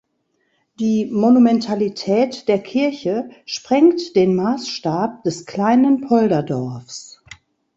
Die Monumentalität der Kirche sprengt den Maßstab des kleinen Polderdorfs.